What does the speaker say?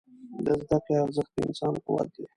د زده کړې ارزښت د انسان قوت دی.